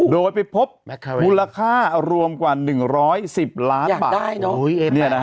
โดยไปพบมูลค่ารวมกว่า๑๑๐ล้านบาท